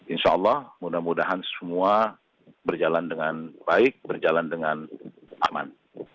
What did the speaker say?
insya allah mudah mudahan semua berjalan dengan baik berjalan dengan aman